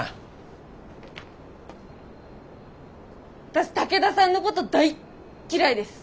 私武田さんのこと大っ嫌いです。